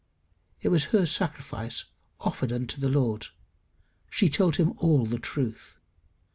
It was her sacrifice offered unto the Lord. She told him all the truth.